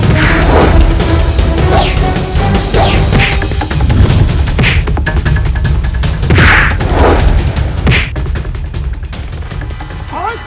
jangan mencari mati